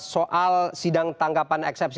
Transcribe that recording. soal sidang tanggapan eksepsi